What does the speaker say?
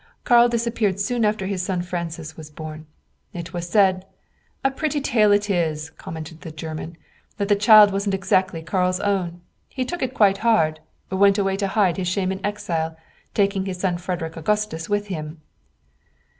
Karl disappeared soon after his son Francis was born. It was said " "A pretty tale it is!" commented the German "that the child wasn't exactly Karl's own. He took it quite hard went away to hide his shame in exile, taking his son Frederick Augustus with him."